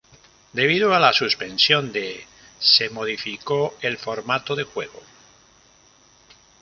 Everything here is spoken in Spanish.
Debido a la suspensión de se modificó el formato de juego.